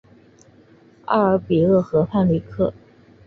奥尔比厄河畔吕克。